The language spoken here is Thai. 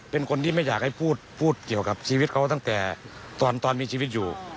เป็นคนที่ไม่อยากให้พูดเกี่ยวกับชีวิตเขาตั้งแต่ตอนมีชีวิตอยู่